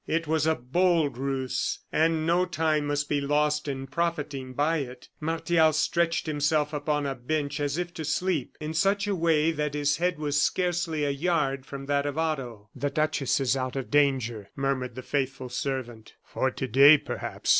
It was a bold ruse and no time must be lost in profiting by it. Martial stretched himself upon a bench, as if to sleep, in such a way that his head was scarcely a yard from that of Otto. "The duchess is out of danger," murmured the faithful servant. "For to day, perhaps.